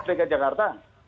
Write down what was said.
pemprov dki jakarta